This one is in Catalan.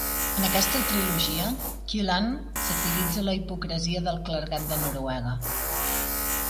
En aquesta trilogia, Kielland satiritza la hipocresia del clergat de Noruega.